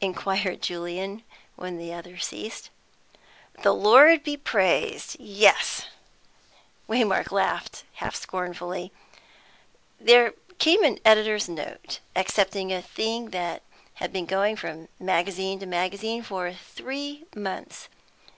inquired Julian when the other ceased. "The Lord be praised; yes!" Waymark laughed half scornfully. "There came an editor's note, accepting a thing that had been going from magazine to magazine for three months.